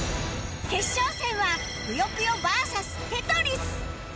決勝戦は『ぷよぷよ』ＶＳ『テトリス』